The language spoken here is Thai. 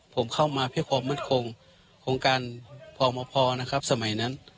ผมเข้ามาเพื่อความมั่นคงโครงการพมพอนะครับสมัยนั้น